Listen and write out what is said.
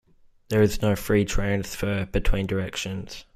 There is no free transfer between directions.